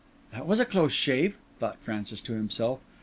"That was a close shave," thought Francis to himself.